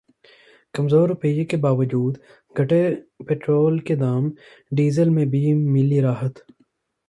कमजोर रुपये के बावजूद घटे पेट्रोल के दाम, डीजल में भी मिली राहत